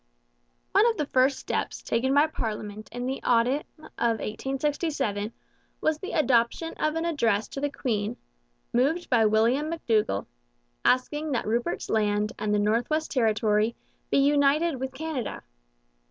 One of the first steps taken by parliament in the autumn of 1867 was the adoption of an address to the Queen, moved by William McDougall, asking that Rupert's Land and the North West Territory be united with Canada.